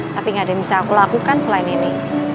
tapi gak ada yang bisa aku lakukan selain ini